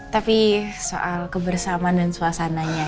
tapi soal kebersamaan dan suasananya